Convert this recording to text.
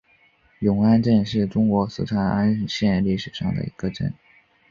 永安镇是中国四川安县历史上的一个镇。